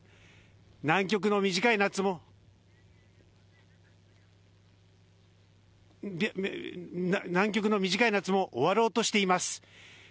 南極の短い夏も南極の短い夏も終わろうとしています。